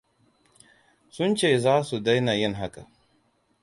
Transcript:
Sun ce za su daina yin haka.